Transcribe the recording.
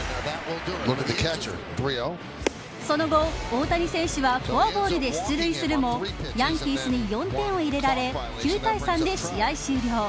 その後、大谷選手はフォアボールで出塁するもヤンキースに４点を入れられ９対３で試合終了。